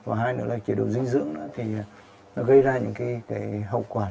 và hai nữa là chế độ dinh dưỡng nữa thì nó gây ra những cái hậu quả như vậy